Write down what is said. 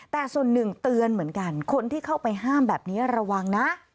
แต่ส่วนหนึ่งเตือนเหมือนกันคนที่เข้าไปห้ามแบบนี้ระวังนะ